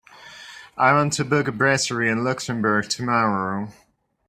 I want to book a brasserie in Luxembourg tomorrow.